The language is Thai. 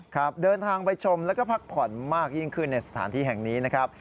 ครับเดินทางไปชมแล้วก็พักผ่อนมากยิ่งขึ้นในสถานที่แห่งนี้นะครับ